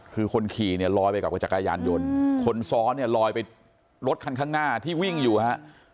คือคนขี่เนี่ยลอยไปกับจักรยานยนต์คนซ้อนเนี่ยลอยไปรถคันข้างหน้าที่วิ่งอยู่ฮะ